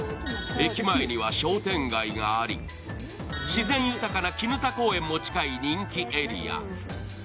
駅前には商店街があり、自然豊かな砧公園も近い人気エリア。